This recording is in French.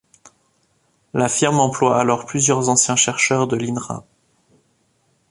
La firme emploie alors plusieurs anciens chercheurs de l’Inra.